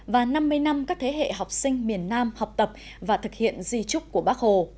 và năm mươi năm các thế hệ học sinh miền nam học tập và thực hiện di trúc của bác hồ